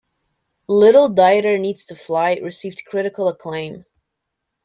"Little Dieter Needs to Fly" received critical acclaim.